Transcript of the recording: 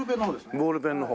ボールペンの方。